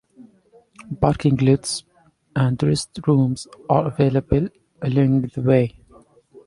Parking lots and restrooms are available along the way.